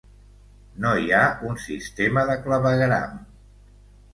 No hi ha un sistema de clavegueram.